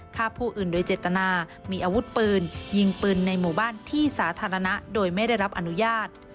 ฆ่าผู้อื่นโดยเจตนามีอาวุธปืนยิงปืนในหมู่บ้านที่สาธารณะโดยไม่ได้รับอนุญาต